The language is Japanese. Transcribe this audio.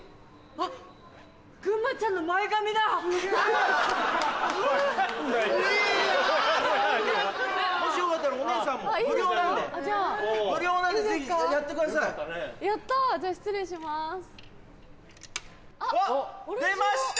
あっ出ました！